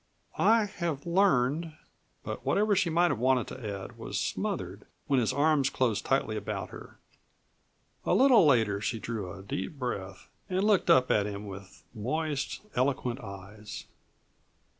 "I have learned " But whatever she might have wanted to add was smothered when his arms closed tightly about her. A little later she drew a deep breath and looked up at him with moist, eloquent eyes.